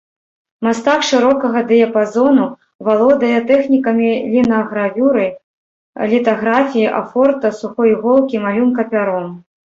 Мастак шырокага дыяпазону, валодае тэхнікамі лінагравюры, літаграфіі, афорта, сухой іголкі, малюнка пяром.